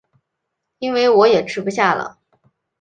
因为我也吃不下了